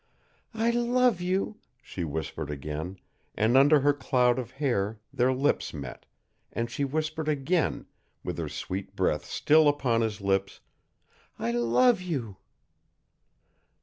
"I love you," she whispered again, and under her cloud of hair their lips met, and she whispered again, with her sweet breath still upon his lips, "I love you."